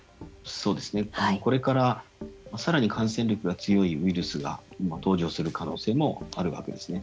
これからさらに感染力が強いウイルスが登場する可能性もあるわけですね。